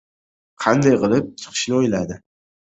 Qanday qilib chiqishni o‘yladi.